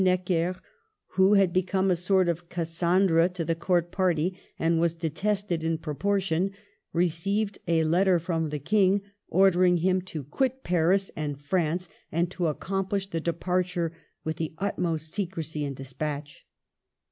Necker, who had become a sort of Cas sandra to the Court party and was detested in proportion, received a letter from the King order ing him to quit Paris and France, and to accom plish the departure with the utmost secrecy and despatch.